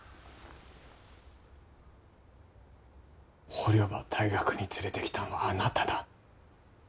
捕虜ば大学に連れてきたんはあなただ。